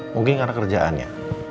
mungkin karena kerjaannya